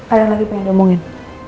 ada lagi pengen omongin